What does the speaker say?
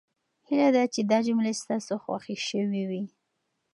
هیله ده چې دا جملې ستاسو خوښې شوې وي.